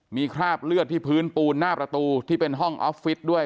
มีคราบเลือดที่พื้นปูนหน้าประตูที่เป็นห้องออฟฟิศด้วย